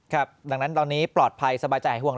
ครับดังนั้นตอนนี้ปลอดภัยสบายใจหายห่วง